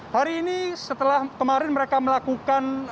hari ini setelah kemarin mereka melakukan